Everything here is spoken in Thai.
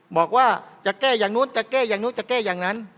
บอกว่าจะแก้อย่างนู้นจะแก้อย่างนู้นจะแก้อย่างนั้น